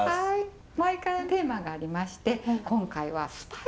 毎回テーマがありまして今回は「スパイス」。